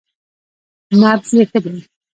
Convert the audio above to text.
_نبض يې ښه دی.